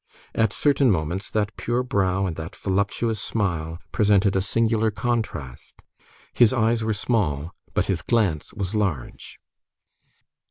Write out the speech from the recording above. At certain moments, that pure brow and that voluptuous smile presented a singular contrast. His eyes were small, but his glance was large.